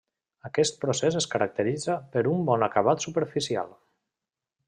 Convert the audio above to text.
Aquest procés es caracteritza per un bon acabat superficial.